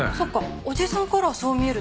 おじさんからはそう見えるって事か。